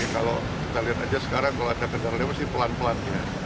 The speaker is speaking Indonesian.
kalau kita lihat aja sekarang kalau ada kendaraan lewat sih pelan pelan